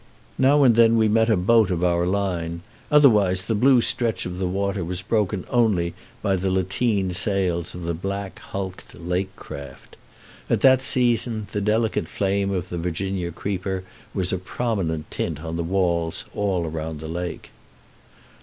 Now and then we met a boat of our line; otherwise the blue stretch of the water was broken only by the lateen sails of the black hulked lake craft. At that season the delicate flame of the Virginia creeper was a prominent tint on the walls all round the lake.